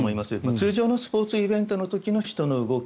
通常のスポーツイベントの時の人の動き。